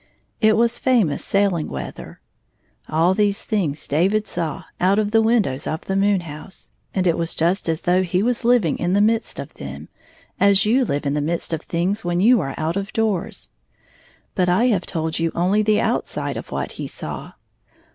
It was famous sailing weather. All these things David saw out of the windows of the moon house — and it was just as though he was living in the midst of them, as you live in the midst of tilings when you are out of doors. But I have told you only the outside of what he saw.